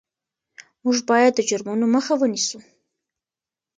موږ باید د جرمونو مخه ونیسو.